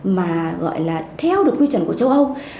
mà theo được quy chuẩn của châu âu